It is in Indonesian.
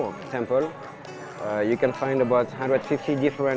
anda dapat menemukan satu ratus lima puluh jenis makanan makanan